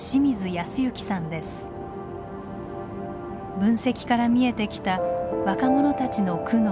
分析から見えてきた若者たちの苦悩。